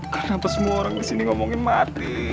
kenapa semua orang disini ngomongin mati